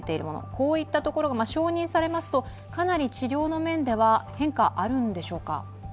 こういったところが承認されますとかなり治療の面では変化あるんでしょうか。